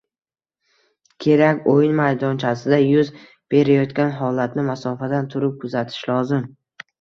Kerak. O‘yin maydonchasida yuz berayotgan holatni masofadan turib kuzatish lozim